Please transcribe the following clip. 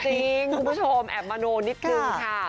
จริงคุณผู้ชมแอบมื่อนู่นนิดหนึ่งค่ะ